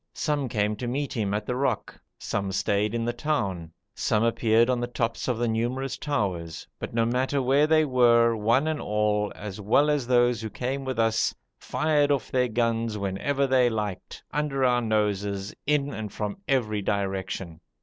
Some came to meet him at the rock, some stayed in the town, some appeared on the tops of the numerous towers, but no matter where they were, one and all, as well as those who came with us, fired off their guns whenever they liked, under our noses, in and from every direction.